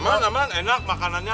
aman aman enak makanannya